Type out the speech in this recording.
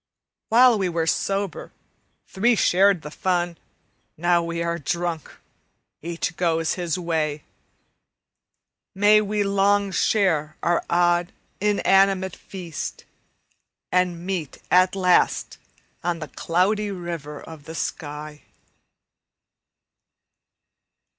While we were sober, three shared the fun; Now we are drunk, each goes his way. May we long share our odd, inanimate feast, And meet at last on the Cloudy River of the sky.